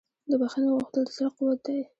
د بښنې غوښتل د زړه قوت دی.